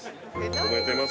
褒めてます。